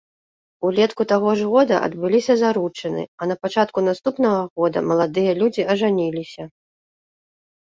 Улетку таго ж года адбыліся заручыны, а напачатку наступнага года маладыя людзі ажаніліся.